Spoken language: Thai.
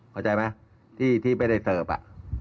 เข้าใจไหมที่ไม่ได้เสิร์ฟอ่ะ